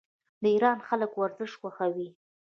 د ایران خلک ورزش خوښوي.